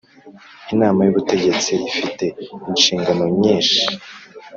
Inama y ubutegetsi ifite inshingano nyinshi